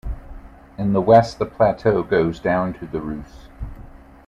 In the west the plateau goes down to the Reuss.